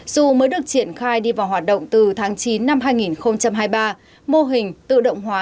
dù mới được triển khai đi vào hoạt động từ tháng chín năm hai nghìn hai mươi ba mô hình tự động hóa